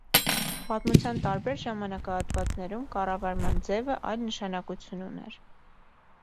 Պատմության տարբեր ժամանակահատվածներում կառավարման ձևը այլ նշանակություն ուներ։